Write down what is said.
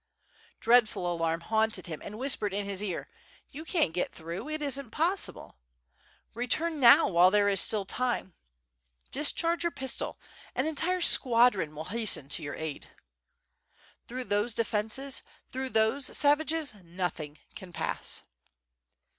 Dreadful alarm haunted him and whispered in his ear "You can't get through, it isn't possible. Return now, while there is still time! discharge your pistol, an entire squadron will hasten to yeur aid! Through those defenses, through those savages, nothing can pass."